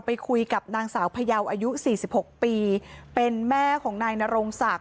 ไปคุยกับนางสาวพยาวอายุ๔๖ปีเป็นแม่ของนายนรงศักดิ